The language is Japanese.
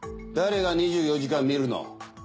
誰が２４時間診るの。